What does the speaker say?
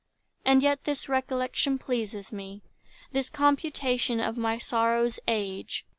And yet this recollection pleases me, This computation of my sorrow's age.